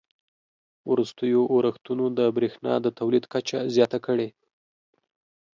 وروستیو اورښتونو د بریښنا د تولید کچه زیاته کړې